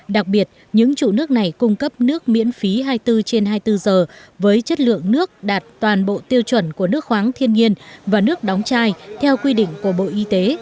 đặc biệt những trụ nước này cung cấp nước miễn phí hai mươi bốn trên hai mươi bốn giờ với chất lượng nước đạt toàn bộ tiêu chuẩn của nước khoáng thiên nhiên và nước đóng chai theo quy định của bộ y tế